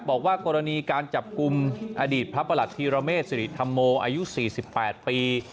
บอกว่ากรณีการจับกลุ่มอดีตพระประหลัดธีรเมษศิริธรรมโมอายุ๔๘ปี